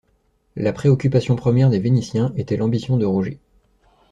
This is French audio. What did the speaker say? La préoccupation première des Vénitiens était l'ambition de Roger.